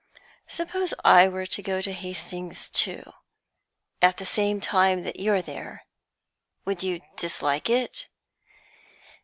"Suppose I were to go to Hastings, too at the same time that you're there would you dislike it?"